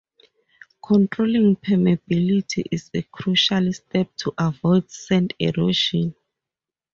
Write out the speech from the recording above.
Controlling permeability is a crucial step to avoid sand erosion.